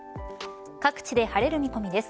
各地で晴れる見込みです。